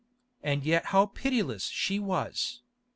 And yet how pitiless she was!